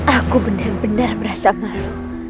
aku benar benar merasa malu